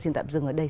xin tạm dừng ở đây